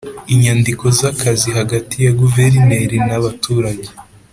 Inyandiko z akazi hagati ya Guverineri na abaturage